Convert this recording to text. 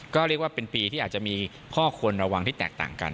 ก็เรียกว่าเป็นปีที่อาจจะมีข้อควรระวังที่แตกต่างกัน